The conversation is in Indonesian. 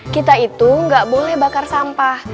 kita itu nggak boleh bakar sampah